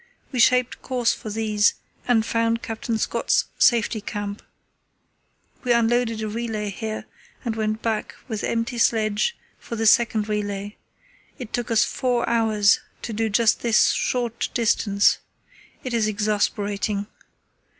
We shaped course for these and found Captain Scott's Safety Camp. We unloaded a relay here and went back with empty sledge for the second relay. It took us four hours to do just this short distance. It is exasperating.